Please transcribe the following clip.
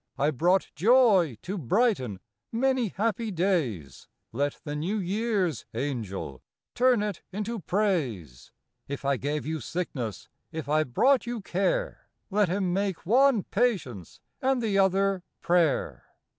I brought Joy to brighten Many happy days ; Let the New Year's Angel Turn it into Praise. 134 FROM QUEENS' GARDENS. If I gave you Sickness, If I brought you Care, Let him make one Patience, And the other Prayer.